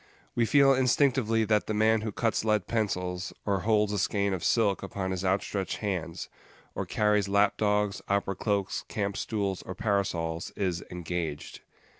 We feel instinctively that the man who cuts lead pencils, or holds a skein of silk upon his outstretched hands, or carries lap dogs, opera cloaks, camp stools, or parasols, is "engaged."